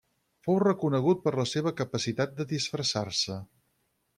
Fou reconegut per la seva capacitat de disfressar-se.